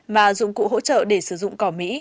mà dụng cụ hỗ trợ để sử dụng cỏ mỹ